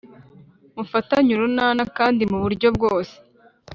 mufatanye urunana kandi mu buryo bwose